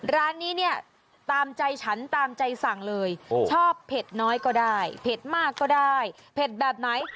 ร้านนี้เนี่ยตามใจฉันตามใจสั่งเลยชอบเผ็ดน้อยก็ได้เผ็ดมากก็ได้เผ็ดแบบไหน